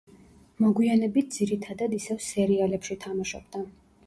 მოგვიანებით ძირითადად ისევ სერიალებში თამაშობდა.